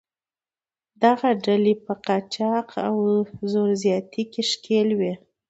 دغه ډلې په قاچاق او زور زیاتي کې ښکېل وې.